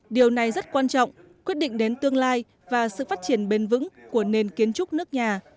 điều này rất quan trọng quyết định đến tương lai và sự phát triển bền vững của nền kiến trúc nước nhà